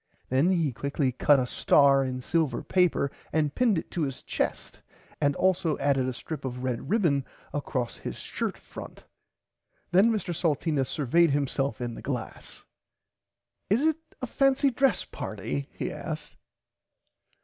Then he quickly cut out a star in silver paper and pinned it to his chest and also added a strip of red ribbon across his shirt front. Then Mr Salteena survayed himself in the glass. Is it a fancy dress party he asked.